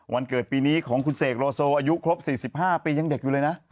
เกิดปีนี้ของคุณเสกโลโซอายุครบ๔๕ปียังเด็กอยู่เลยนะ